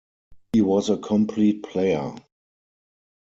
He was a complete player.